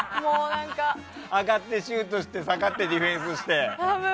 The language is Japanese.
上がってシュートして下がってディフェンスして。